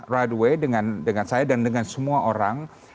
right away dengan saya dan dengan semua orang